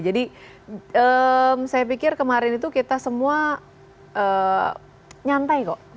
jadi saya pikir kemarin itu kita semua nyantai kok